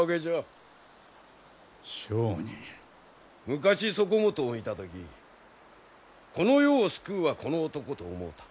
昔そこもとを見た時この世を救うはこの男と思うた。